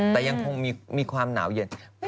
แต่ยังคงมีความหนาวเย็น